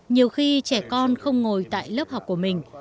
nhiều khi trẻ con không ngồi tại lớp học của mình